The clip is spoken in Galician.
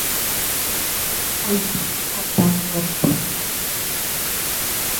Oito, contando a do título.